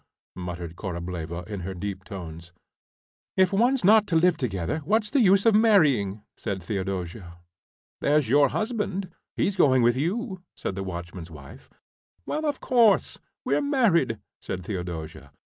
muttered Korableva in her deep tones. "If one's not to live together, what's the use of marrying?" said Theodosia. "There's your husband he's going with you," said the watchman's wife. "Well, of course, we're married," said Theodosia.